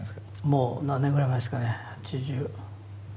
もう何年ぐらい前ですかね。